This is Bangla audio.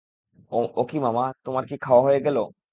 ও কি মামা, তোমার কি খাওয়া হয়ে গেল?